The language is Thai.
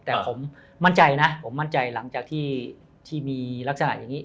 แต่ผมมั่นใจนะผมมั่นใจหลังจากที่มีลักษณะอย่างนี้